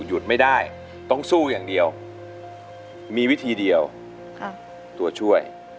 หยุดไม่ได้ต้องสู้อย่างเดียวมีวิธีเดียวตัวช่วย